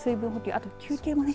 あと休憩もね